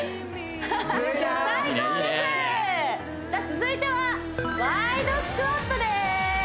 続いてはワイドスクワットです